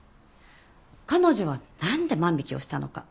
彼女は何で万引をしたのか？